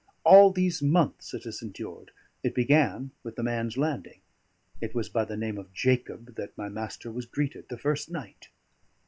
All these months it has endured; it began with the man's landing; it was by the name of Jacob that my master was greeted the first night."